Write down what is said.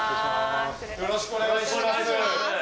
よろしくお願いします。